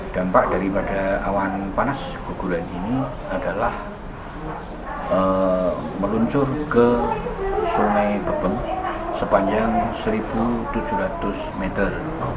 dampak daripada awan panas guguran ini adalah meluncur ke sungai bebeng sepanjang satu tujuh ratus meter